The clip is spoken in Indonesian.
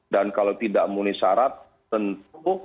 dan kalau tidak muni syarat tentu